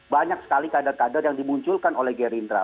banyak sekali kader kader yang dimunculkan oleh gerindra